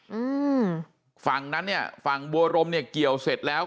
อืมฝั่งนั้นเนี้ยฝั่งบัวรมเนี้ยเกี่ยวเสร็จแล้ว